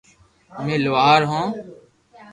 امي لوھار ھون